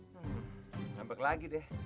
hmm yang baik lagi deh